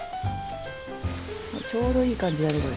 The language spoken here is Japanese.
ちょうどいい感じだねこれ。